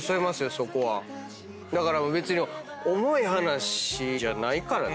だから別に重い話じゃないからね。